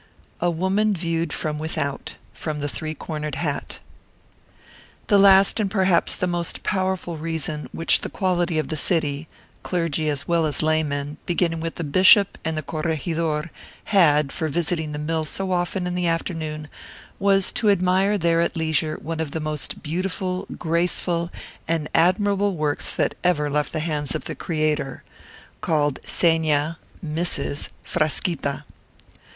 A WOMAN VIEWED FROM WITHOUT From 'The Three Cornered Hat' The last and perhaps the most powerful reason which the quality of the city clergy as well as laymen, beginning with the bishop and the corregidor had for visiting the mill so often in the afternoon, was to admire there at leisure one of the most beautiful, graceful, and admirable works that ever left the hands of the Creator: called Seña [Mrs.] Frasquita.